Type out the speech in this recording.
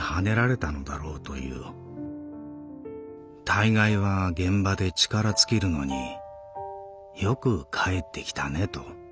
たいがいは現場で力尽きるのによく帰ってきたねと。